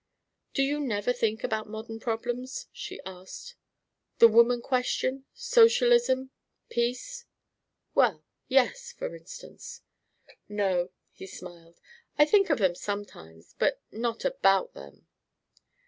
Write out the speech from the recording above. "Do you never think about modern problems?" she asked. "The woman question? Socialism? Peace?" "Well, yes, for instance." "No," he smiled. "I think of them sometimes, but not about them."